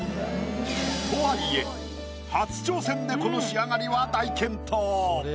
とはいえ初挑戦でこの仕上がりは大健闘。